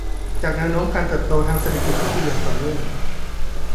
จากแนวโน้มการเติบโตทางเศรษฐกิจที่ดีอย่างต่อเนื่อง